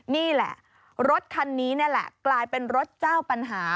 นี่แหละรถคันนี้นี่แหละกลายเป็นรถเจ้าปัญหา